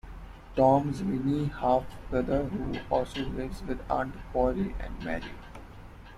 Tom's whiny half-brother, who also lives with Aunt Polly and Mary.